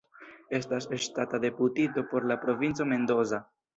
Estas ŝtata deputito por la Provinco Mendoza.